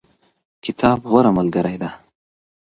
کتاب غوره ملګری دی.